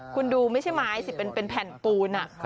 คุณดูไม่ใช่ไม้สิเป็นแผ่นปูน